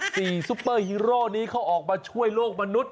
ซุปเปอร์ฮีโร่นี้เขาออกมาช่วยโลกมนุษย